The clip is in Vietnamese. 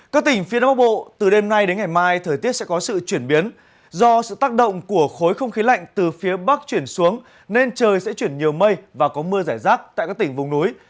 các tỉnh phía đông bộ từ đêm nay đến ngày mai thời tiết sẽ có sự chuyển biến do sự tác động của khối không khí lạnh từ phía bắc chuyển xuống nên trời sẽ chuyển nhiều mây và có mưa rải rác tại các tỉnh vùng núi